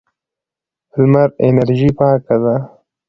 لمر انرژي پاکه ده.